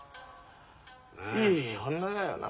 いい女だよな。